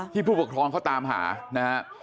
ที่ผู้ปกท้องเขาตามหานะฮะ